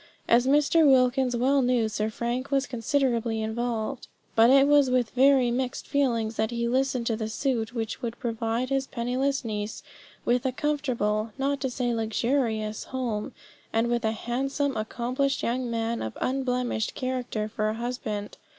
As Mr. Wilkins well knew, Sir Frank was considerably involved; but it was with very mixed feelings that he listened to the suit which would provide his penniless niece with a comfortable, not to say luxurious, home, and with a handsome, accomplished young man of unblemished character for a husband.